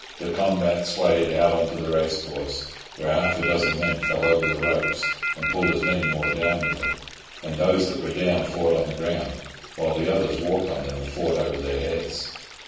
The combat swayed out on to the race course, where half a dozen men fell over the ropes and pulled as many more down with them, and those that were down fought on the ground, while the others walked on them and fought over their heads.